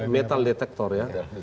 metal detektor ya